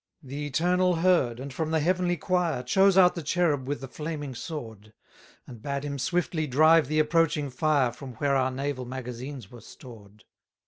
271 The Eternal heard, and from the heavenly quire Chose out the cherub with the flaming sword; And bade him swiftly drive the approaching fire From where our naval magazines were stored.